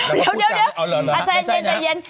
เดี๋ยวอาจารย์เย็นเดี๋ยว